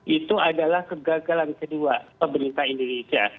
itu adalah kegagalan kedua pemerintah indonesia